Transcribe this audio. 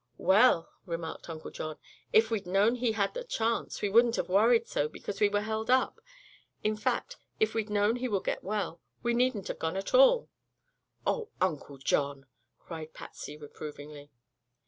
"Well," remarked Uncle John, "if we'd known he had a chance, we wouldn't have worried so because we were held up. In fact, if we'd known he would get well, we needn't have gone at all." "Oh, Uncle John!" cried Patsy reprovingly.